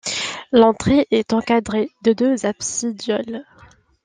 L'entrée est encadrée de deux absidioles.